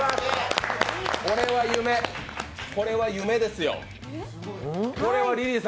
これは夢ですよ。